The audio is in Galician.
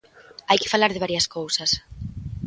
Hai que falar de varias cousas.